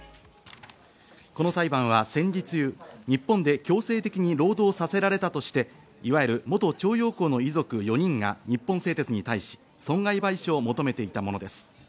この裁判は戦時中日本で強制的に労働させられたとして、いわゆる元徴用工の遺族４人が日本製鉄に対し損害賠償を求めていたものです。